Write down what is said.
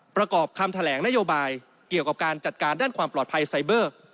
ประกอบคำแถลงนโยบายเกี่ยวกับการจัดการด้านความปลอดภัยไซเบอร์